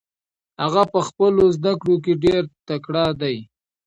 هغه په خپلو زده کړو کې ډېر تکړه دی.